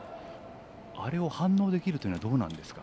あれを反応できるというのはどうなんですか。